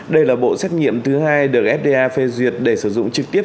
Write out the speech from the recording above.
đây là bộ xét nghiệm thứ hai được fda phê duyệt để sử dụng trực tiếp